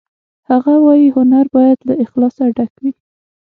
هغه وایی هنر باید له اخلاصه ډک وي